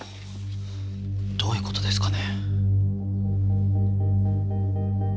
どういう事ですかね？